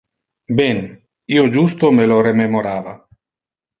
Ben, io justo me lo rememorava.